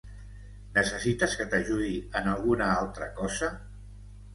Necessites que t'ajudi en alguna altra cosa?